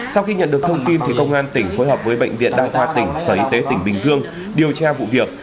sau khi nhận được thông tin công an tỉnh phối hợp với bệnh viện đa khoa tỉnh sở y tế tỉnh bình dương điều tra vụ việc